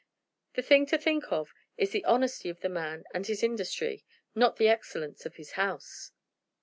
The thing to think of is the honesty of the man and his industry, not the excellence of the house."